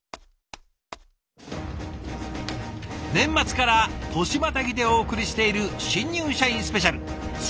年末から年またぎでお送りしている「新入社員スペシャル」。